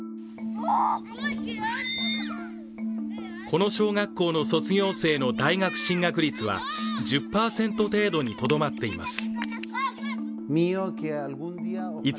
この小学校の卒業生の大学進学率は１０％程度にとどまっています。